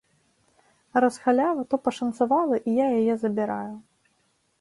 Раз халява, то пашанцавала і я яе забіраю.